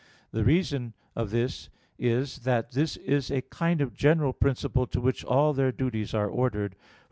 The reason of this is, that this is a kind of general principle to which all their duties are ordered.